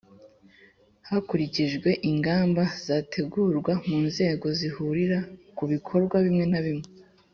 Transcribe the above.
hakurikijwe ingamba zategurwa mu nzego zihurira ku bikorwa bimwe na bimwe,